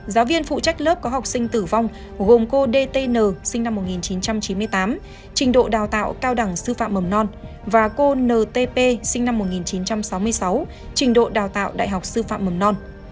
giáo viên phụ trách lớp có học sinh tử vong gồm cô dtn sinh năm một nghìn chín trăm chín mươi tám trình độ đào tạo cao đẳng sư phạm mầm non và cô ntp sinh năm một nghìn chín trăm sáu mươi sáu trình độ đào tạo đại học sư phạm mầm non